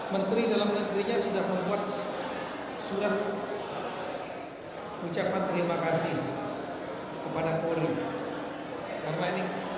menteri dalam negerinya sudah membuat surat ucapan terima kasih kepada polri